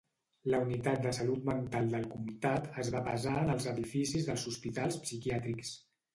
La unitat de salut mental del comtat es va basar en els edificis dels hospitals psiquiàtrics.